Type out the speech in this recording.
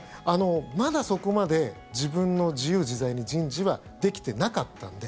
まだそこまで自分の自由自在に人事はできてなかったので。